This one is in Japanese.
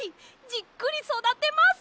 じっくりそだてます！